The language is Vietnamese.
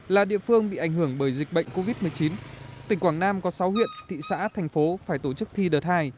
là địa phương bị ảnh hưởng bởi dịch bệnh covid một mươi chín tỉnh quảng nam có sáu huyện thị xã thành phố phải tổ chức thi đợt hai